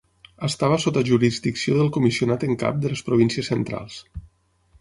Estava sota jurisdicció del comissionat en cap de les Províncies Centrals.